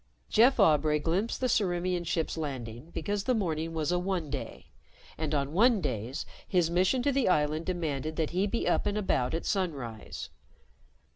Jeff Aubray glimpsed the Ciriimian ship's landing because the morning was a Oneday, and on Onedays his mission to the island demanded that he be up and about at sunrise.